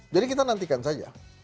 jadi kita nantikan saja